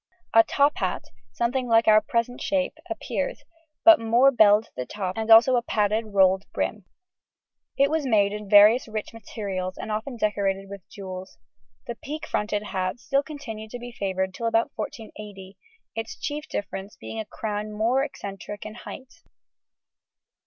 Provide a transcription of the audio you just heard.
A top hat, something like our present shape, appears, but more belled at the top and also a padded, rolled brim. It was made in various rich materials, and often decorated with jewels. The peak fronted hat still continued to be favoured till about 1480, its chief difference being a crown more eccentric in height.